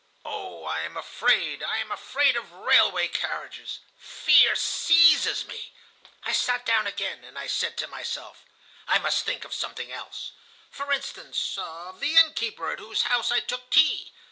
"Oh, I am afraid, I am afraid of railway carriages. Fear seizes me. I sat down again, and I said to myself: 'I must think of something else. For instance, of the inn keeper at whose house I took tea.